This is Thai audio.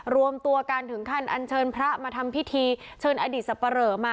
รวมตัวกันถึงขั้นอันเชิญพระมาทำพิธีเชิญอดีตสับปะเหลอมา